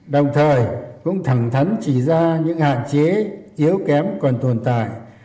đồng thời cũng thẳng thắn chỉ ra những hạn chế yếu kém còn tồn tại